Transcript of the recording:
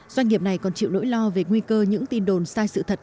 doanh nghiệp này còn chịu nỗi lo về nguy cơ những tin đồn sai sự thật